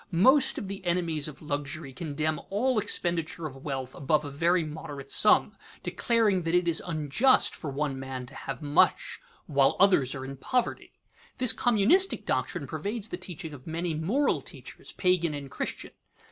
Most of the enemies of luxury condemn all expenditure of wealth above a very moderate sum, declaring that it is "unjust" for one man to have much while others are in poverty. This communistic doctrine pervades the teaching of many moral teachers, pagan and Christian.